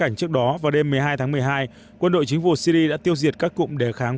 cảnh trước đó vào đêm một mươi hai tháng một mươi hai quân đội chính phủ syri đã tiêu diệt các cụm đề kháng